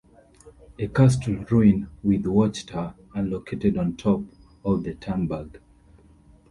A castle ruin with watch-tower are located on top of the Turmberg.